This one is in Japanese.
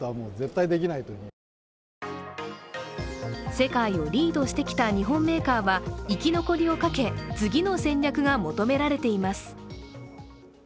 世界をリードしてきた日本メーカーは生き残りをかけ次の戦略が求められています。